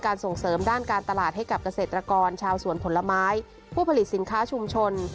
ส่งเสริมด้านการตลาดให้กับเกษตรกรชาวสวนผลไม้ผู้ผลิตสินค้าชุมชน